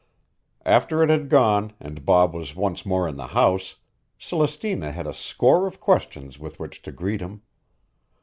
After it had gone and Bob was once more in the house, Celestina had a score of questions with which to greet him.